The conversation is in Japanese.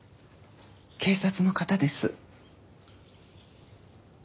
警察の方です。